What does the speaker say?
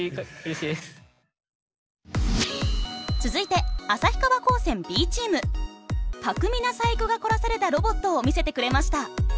続いて巧みな細工が凝らされたロボットを見せてくれました。